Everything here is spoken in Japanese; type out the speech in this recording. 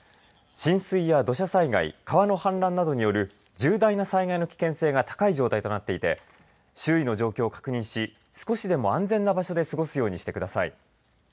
浸水や土砂災害川の氾濫などによる重大な災害の危険性が高い状態となっていて周囲の状況を確認し、少しでも安全な場所で過ごすようにしてください。